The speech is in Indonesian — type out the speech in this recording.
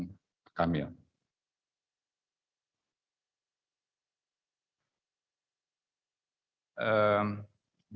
kami juga berdoa untuk menghubungi almarhum di dalam hal hal yang terjadi